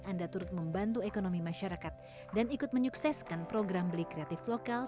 anda turut membantu ekonomi masyarakat dan ikut menyukseskan program beli kreatif lokal